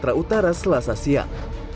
matra utara selasa siang